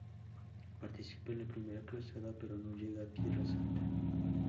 Participa en la Primera Cruzada, pero no llegó a Tierra Santa.